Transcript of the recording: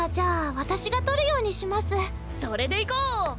それでいこう！